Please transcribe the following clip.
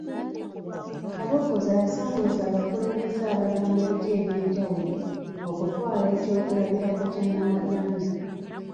Kabogoza yasoomooza abakulembeze abalala mu biti eby'enjawulo okutwala ekyokulabirako kya Namaganda.